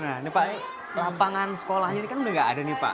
nah ini pak lapangan sekolahnya ini kan udah gak ada nih pak